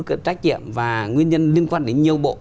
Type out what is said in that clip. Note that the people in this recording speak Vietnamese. cái trách nhiệm và nguyên nhân liên quan đến nhiều bộ